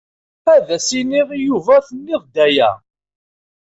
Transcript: Ad as-inniɣ i Yuba tenniḍ-d aya.